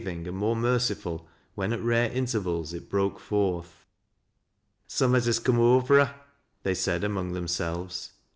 g and more merciful when at rare intervals it broke forth. " Summat has coom over her," they said among them iselves.